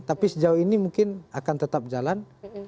tapi sejauh ini mungkin akan tetap jalan